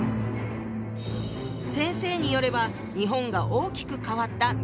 先生によれば日本が大きく変わった明治時代。